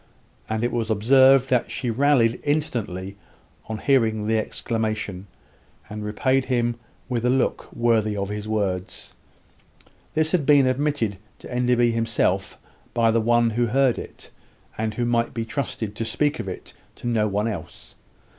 and it was observed that she rallied instantly on hearing the exclamation, and repaid him with a look worthy of his words. This had been admitted to Enderby himself by the one who heard it, and who might be trusted to speak of it to no one else.